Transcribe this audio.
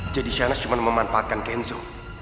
jadi shanas cuma memanfaatkan kenzo